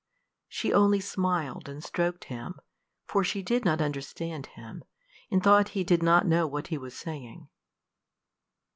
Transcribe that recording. She only smiled and stroked him, for she did not understand him, and thought he did not know what he was saying.